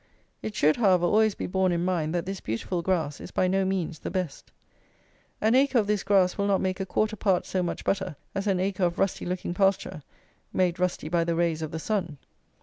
It should, however, always be borne in mind that this beautiful grass is by no means the best. An acre of this grass will not make a quarter part so much butter as an acre of rusty looking pasture, made rusty by the rays of the sun.